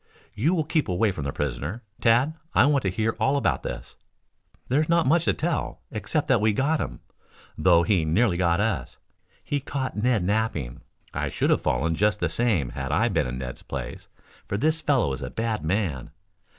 "You will keep away from the prisoner. Tad, I want to hear all about this." "There is not much to tell, except that we got him, though he nearly got us. He caught Ned napping. I should have fallen just the same had I been in Ned's place, for this fellow is a bad man.